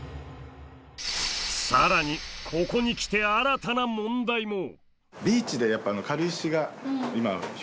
更にここにきて新たな問題も。